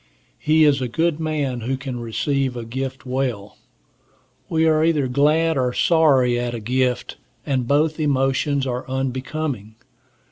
He is a good man who can receive a gift well. We are either glad or sorry at a gift, and both emotions are unbecoming.